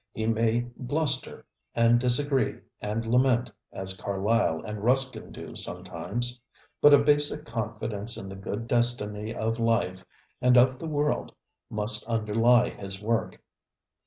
He may bluster and disagree and lament as Carlyle and Ruskin do sometimes; but a basic confidence in the good destiny of life and of the world must underlie his work.